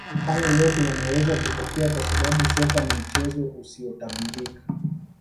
Haya yote yanaweza kutokea kwa sababu soka ni mchezo usiotabirika